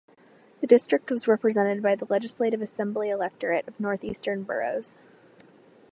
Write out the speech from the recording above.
The district was represented by the Legislative Assembly electorate of North Eastern Boroughs.